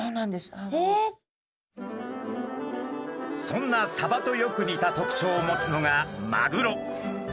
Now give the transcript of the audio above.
そんなサバとよく似た特徴を持つのがマグロ。